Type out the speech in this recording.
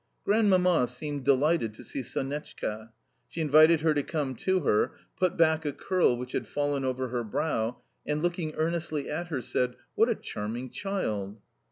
Grandmamma seemed delighted to see Sonetchka. She invited her to come to her, put back a curl which had fallen over her brow, and looking earnestly at her said, "What a charming child!"